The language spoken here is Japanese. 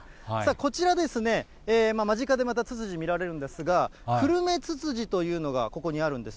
こちらですね、間近でまた、ツツジ見られるんですが、クルメツツジというのがここにあるんです。